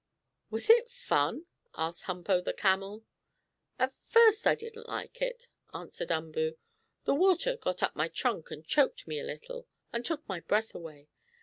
"Was it fun?" asked Humpo, the camel. "At first I didn't like it," answered Umboo. "The water got up my trunk, and choked me a little, and took my breath away.